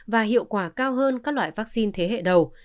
và hiệu quả cao hơn các loại vaccine thế hệ đầu